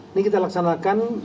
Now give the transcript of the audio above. ini kita laksanakan